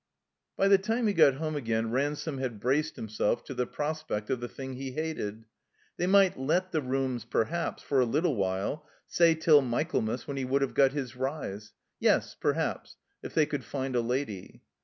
By the time he got home again Ransome had braced himself to the prospect of the thing he hated. They might let the rooms, perhaps, for a little while, say, till Michaelmas when he would have got his rise. Yes, perhaps; if they could find a lady.